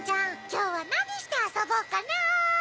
きょうはなにしてあそぼっかな。